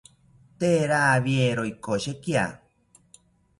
Tee rawiero ikoshekia